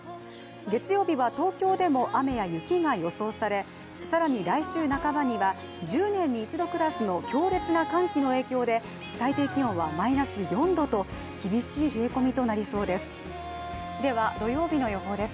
月曜日は東京でも雨や雪が予想され更に来週半ばには１０年に一度クラスの強烈な寒気の影響で最低気温はマイナス４度と厳しい冷え込みとなりそうです。